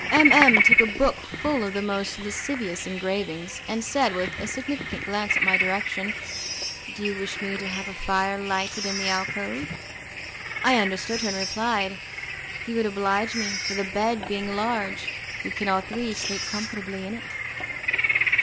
M M took up a book full of the most lascivious engravings, and said, with a significant glance in my direction: "Do you wish me to have a fire lighted in the alcove?" I understood her, and replied: "You would oblige me, for the bed being large we can all three sleep comfortably in it."